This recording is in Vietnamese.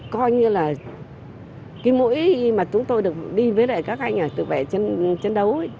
coi như là cái mũi mà chúng tôi được đi với lại các anh ở tự bệ chân đấu